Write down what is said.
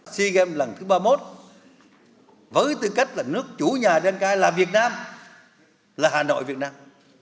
sea games lần thứ ba mươi một với tư cách là nước chủ nhà đen cai là việt nam là hà nội việt nam